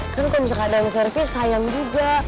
kan kamu sekadang servis sayang juga